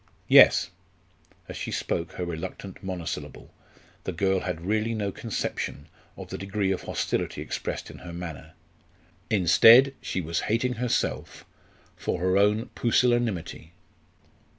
"Yes." As she spoke her reluctant monosyllable, the girl had really no conception of the degree of hostility expressed in her manner. Instead she was hating herself for her own pusillanimity.